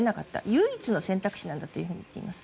唯一の選択肢なんだと言っています。